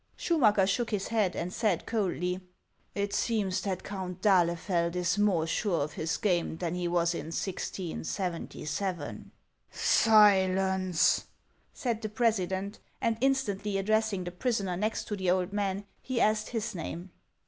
Schumacker shook his head, and said coldly :" It seems that Count d'Ahlefeld is more sure of his game than he was in 1677." '• Silence !" said the president ; and instantly addressing the prisoner next to the old man, he asked his name.